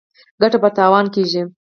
ګټه په تاوان کیږي.